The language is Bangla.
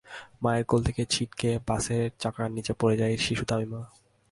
মায়ের কোল থেকে ছিটকে বাসের চাকার নিচে পড়ে যায় শিশু তামিমা।